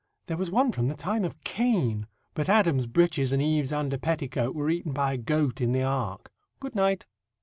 There was one from the time of Cain, but Adam's breeches and Eve's under petticoat were eaten by a goat in the ark. Good night."